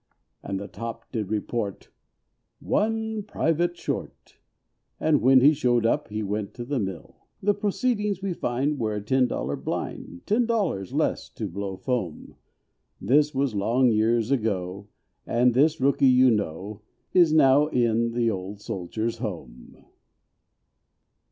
And the top did report, "One private short." When he showed up he went to the mill. The proceedings we find were a ten dollar blind, Ten dollars less to blow foam. This was long years ago, and this rookey you know Is now in the old soldiers' home.